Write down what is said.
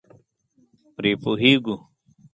پرې پوهېږو.